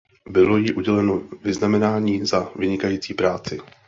Bylo jí uděleno Vyznamenání Za vynikající práci.